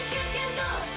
どうして」